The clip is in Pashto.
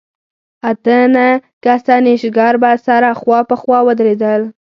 اته نه کسه نېشګر به سره خوا په خوا ودرېدل.